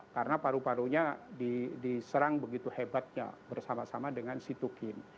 karena paru parunya diserang begitu hebatnya bersama sama dengan sitokin